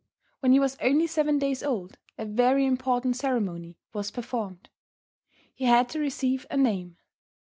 When he was only seven days old a very important ceremony was performed. He had to receive a name.